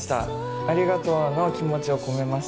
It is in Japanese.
ありがとうの気持ちを込めました。